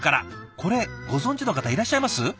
これご存じの方いらっしゃいます？